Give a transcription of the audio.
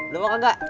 lo mau kagak